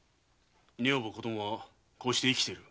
女房子供はこうして生きている。